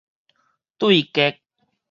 對逆